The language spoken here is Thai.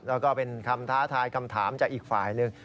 แล้วก็เป็นคำท้าทายคำถามจากอีกฝ่ายหนึ่ง